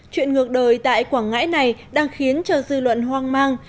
chuyện ngược đời tại quảng ngãi này đang khiến cho dư luận hoang mang